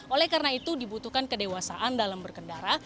oleh karena itu dibutuhkan kedewasaan dalam berkendara